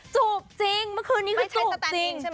จูบจริงเมื่อคืนนี้คือจูบจริง